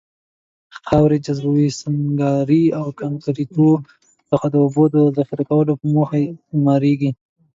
خاورې، جاذبوي سنګکارۍ او کانکریتو څخه د اوبو د ذخیره کولو په موخه اعماريږي.